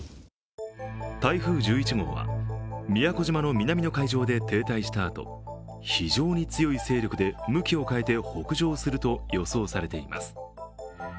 台風１１号は宮古島の南の海上で停滞したあと非常に強い勢力で向きを変えて北上すると予想されています。